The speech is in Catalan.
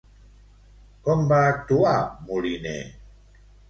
Com va actuar Moliner?